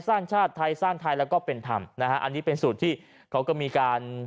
สร้างชาติไทยสร้างไทยแล้วก็เป็นธรรมนะฮะอันนี้เป็นสูตรที่เขาก็มีการ